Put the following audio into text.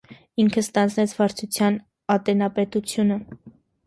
Ինքը ստանձնեց վարչութեան ատենապետութիւնը։